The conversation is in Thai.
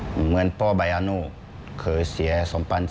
เหมือนพ่อบายานูเขาเสียสมปัน๑๒